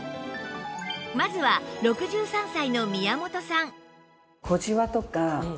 まずは６３歳の宮本さん